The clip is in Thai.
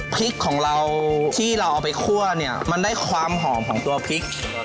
พริกของเราที่เราเอาไปคั่วเนี่ยมันได้ความหอมของตัวพริก